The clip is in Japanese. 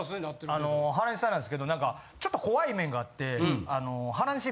あの原西さんなんですけど何かちょっと怖い面があって。